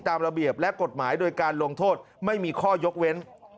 ตามระเบียบและกฎหมายโดยการลงโทษไม่มีข้อยกเว้น